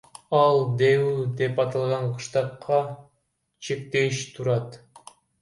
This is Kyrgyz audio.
Ал ДЭУ деп аталган кыштакка чектеш турат.